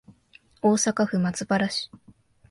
大阪府松原市